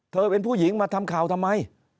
เป็นผู้หญิงมาทำข่าวทำไม